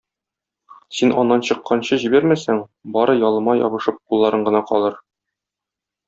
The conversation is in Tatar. Син аннан чыкканчы җибәрмәсәң, бары ялыма ябышып кулларың гына калыр.